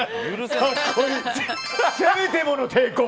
せめてもの抵抗。